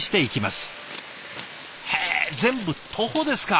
へえ全部徒歩ですか！